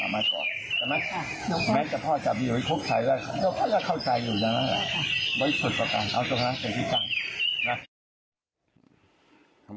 เอาจริงเสียที่ตั้ง